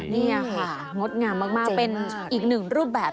นี่ค่ะงดงามมากเป็นอีกหนึ่งรูปแบบ